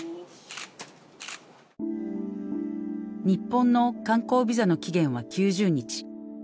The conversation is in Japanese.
日本の観光ビザの期限は９０日。